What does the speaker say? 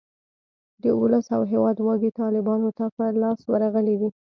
د اولس او هیواد واګې طالیبانو ته په لاس ورغلې دي.